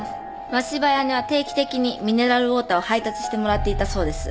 真柴綾音は定期的にミネラルウオーターを配達してもらっていたそうです。